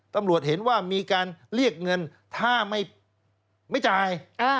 ตำรวจเห็นว่ามีการเรียกเงินถ้าไม่จ่าย